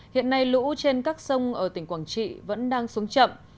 hiện nay lũ trên các sông ở tỉnh quảng trị vẫn đang xuống chậm